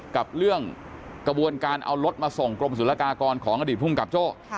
กับเรื่องกระบวนการเอารถมาส่งกรมศุลกากรของอดีตภูมิกับโจ้